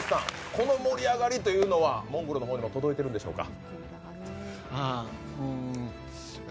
この盛り上がりというのはモンゴルの方にも届いているんでしょうか。